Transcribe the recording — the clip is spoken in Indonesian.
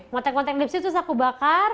motek motek dipsi terus aku bakar